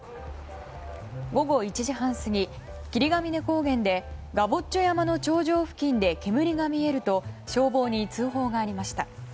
午後１時半過ぎ、霧ヶ峰高原でガボッチョ山の頂上付近で煙が見えると消防に通報がありました。